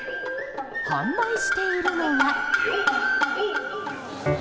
販売しているのは。